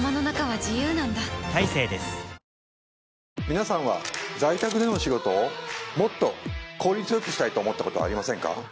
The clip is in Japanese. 皆さんは在宅での仕事をもっと効率よくしたいと思ったことはありませんか？